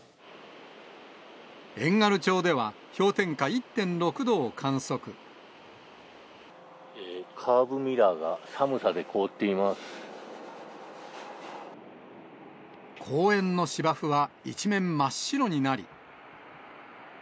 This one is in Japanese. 遠軽町では氷点下１．６度をカーブミラーが寒さで凍って公園の芝生は一面、真っ白になり。